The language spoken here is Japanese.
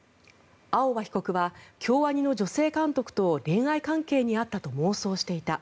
青葉被告は京アニの女性監督と恋愛関係にあったと妄想していた。